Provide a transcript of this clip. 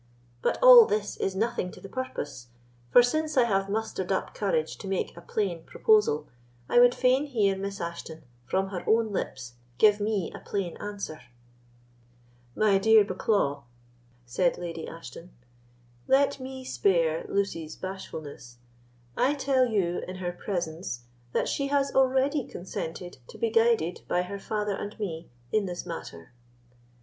But all this is nothing to the purpose; for since I have mustered up courage to make a plain proposal, I would fain hear Miss Ashton, from her own lips, give me a plain answer." "My dear Bucklaw," said Lady Ashton, "let me spare Lucy's bashfulness. I tell you, in her presence, that she has already consented to be guided by her father and me in this matter.